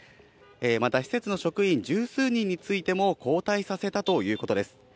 また、施設の職員十数人についても、交代させたということです。